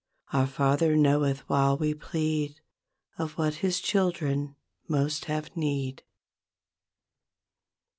Our Father knoweth while we plead Of what His children most have need.